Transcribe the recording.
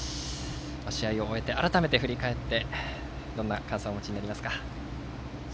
試合を終えて、改めて振り返ってどんな感想をお持ちになりますか。